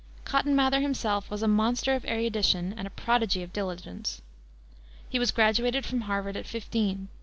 Cotton Mather himself was a monster of erudition and a prodigy of diligence. He was graduated from Harvard at fifteen.